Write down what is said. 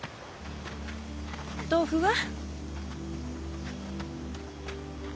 豆腐は？